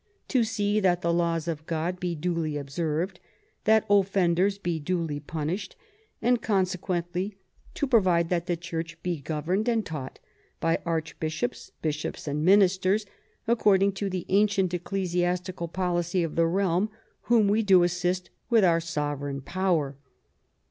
to see that the laws of God be duly observed, that offenders be duly punished, and consequently to provide that the Church be governed and taught by Archbishops, Bishops and Ministers, according to the ancient ecclesiastical policy of the realm, whom we do assist with our sovereign power.